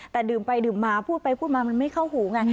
แต่ดื่มไปดื่มมาพูดไปพูดมามันไม่เข้าหูไง